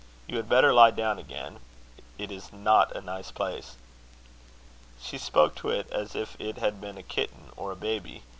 You had better lie down again: it is not a nice place." She spoke to it as if it had been a kitten or a baby.